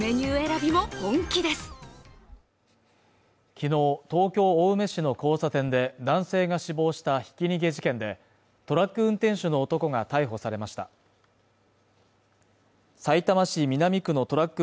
昨日、東京・青梅市の交差点で男性が死亡したひき逃げ事件でトラック運転手の男が逮捕されましたさいたま市南区のトラック